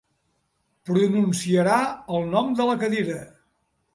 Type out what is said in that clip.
Pronunciarà el nom de la cadira.